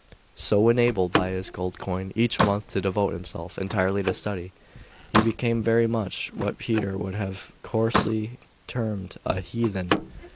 So, enabled by his gold coin each month to devote himself entirely to study, he became very much what Peter would have coarsely termed a heathen.